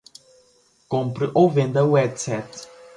Compre ou venda o headset